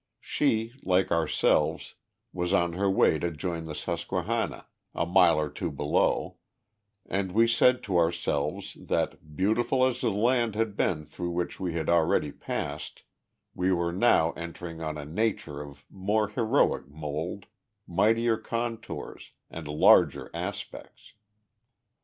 She, like ourselves, was on her way to join the Susquehanna, a mile or two below, and we said to ourselves, that, beautiful as the land had been through which we had already passed, we were now entering on a Nature of more heroic mould, mightier contours, and larger aspects.